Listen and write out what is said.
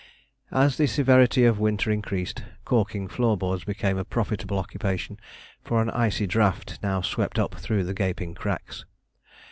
As the severity of the winter increased, caulking floor boards became a profitable occupation, for an icy draught now swept up through the gaping cracks.